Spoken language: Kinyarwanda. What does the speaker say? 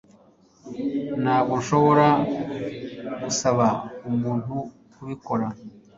Ntabwo nshobora gusaba umuntu kubikora